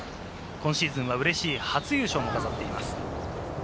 今シーズンは嬉しい初優勝も飾っています。